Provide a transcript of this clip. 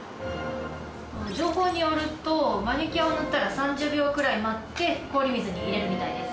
情報によるとマニキュアを塗ったら３０秒くらい待って氷水に入れるみたいです。